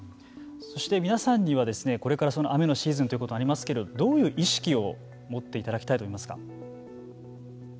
皆さんにはこれからこれから雨のシーズンということになりますけれどどういう意識を持っていただきたいと思いますか。